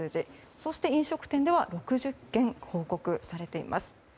そして、飲食店では６０件報告されています。